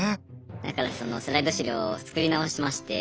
だからそのスライド資料を作り直しまして。